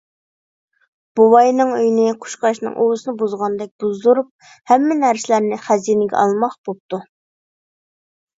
بوۋاينىڭ ئۆيىنى قۇشقاچنىڭ ئۇۋىسىنى بۇزغاندەك بۇزدۇرۇپ، ھەممە نەرسىلەرنى خەزىنىگە ئالماق بوپتۇ.